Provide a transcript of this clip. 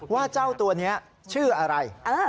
เจ้าตัวนี้ชื่ออะไร